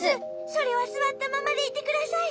それはすわったままでいてください。